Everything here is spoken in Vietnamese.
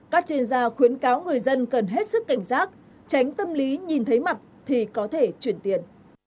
các chuyên gia khuyến cáo người dân cần hết sức cảnh giác tránh tâm lý nhìn thấy mặt thì có thể chuyển tiền